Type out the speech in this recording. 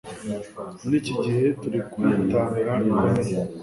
muri iki gihe turi kwitanga bikomeye :